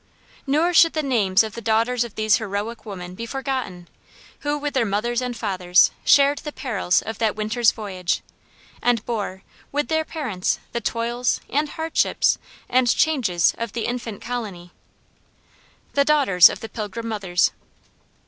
Nor should the names of the daughters of these heroic women be forgotten, who, with their mothers and fathers shared the perils of that winter's voyage, and bore, with their parents, the toils, and hardships, and changes of the infant colony. The Daughters of the Pilgrim Mothers.